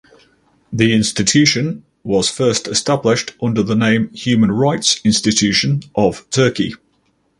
The institution was first established under the name "Human Rights Institution of Turkey".